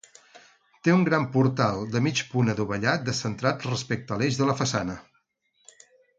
Té un gran portal de mig punt adovellat descentrat respecte a l'eix de la façana.